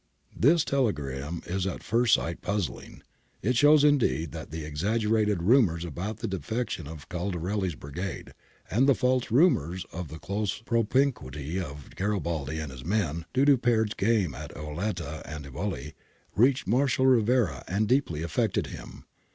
This telegram is at first sight puzzling ; it shows indeed that the exaggerated rumours about the defection of Caldarelli's Brigade, and the false rumours of the close propinquity of Garibaldi and his men (due to Peard's game at Auletta and Eboli) reached Marshal Rivera and deeply affected him.